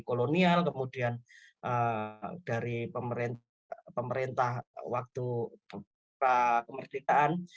kolonial kemudian dari pemerintah waktu era kemerdekaan